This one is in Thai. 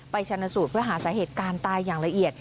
ชนสูตรเพื่อหาสาเหตุการณ์ตายอย่างละเอียด